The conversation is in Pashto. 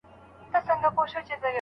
لارښود د محصل د کار لارښوونه کوي.